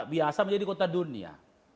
biasa menjadi kota dunia